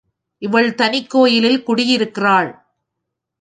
இவள் தனிக் கோயிலில் குடியிருக்கிறாள்.